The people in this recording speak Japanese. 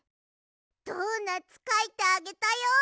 ドーナツかいてあげたよ。